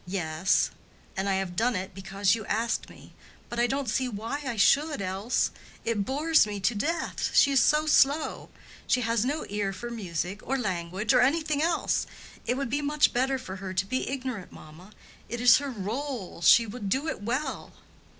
"Yes. And I have done it because you asked me. But I don't see why I should, else. It bores me to death, she is so slow. She has no ear for music, or language, or anything else. It would be much better for her to be ignorant, mamma: it is her rôle, she would do it well."